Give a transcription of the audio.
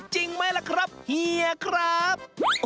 จริงไหมล่ะครับเฮียครับ